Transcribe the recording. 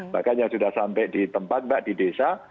bahkan yang sudah sampai di tempat mbak di desa